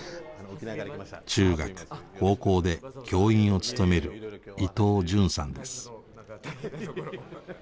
中学高校で教員を務める伊藤潤さんです。